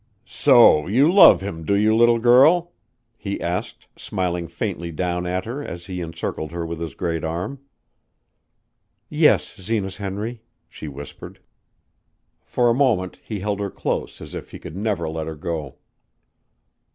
"So you love him, do you, little girl?" he asked, smiling faintly down at her as he encircled her with his great arm. "Yes, Zenas Henry," she whispered. For a moment he held her close as if he could never let her go.